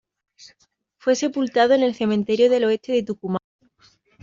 Fue sepultado en el Cementerio del Oeste de Tucumán.